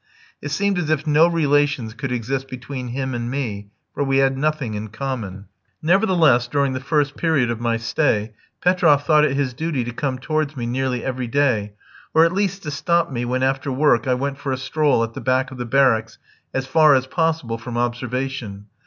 It seemed as if no relations could exist between him and me, for we had nothing in common. Nevertheless, during the first period of my stay, Petroff thought it his duty to come towards me nearly every day, or at least to stop me when, after work, I went for a stroll at the back of the barracks as far as possible from observation.